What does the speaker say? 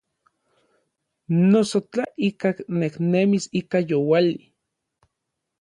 Noso tla ikaj nejnemis ika youali.